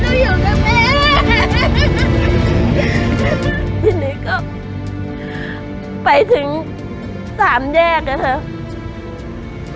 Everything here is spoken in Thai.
ทีนี้ก็ไปถึงสามแยกครับ